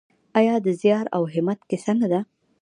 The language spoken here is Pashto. آیا د زیار او همت کیسه نه ده؟